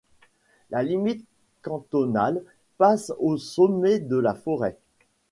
La limite cantonale passe au sommet de la forêt.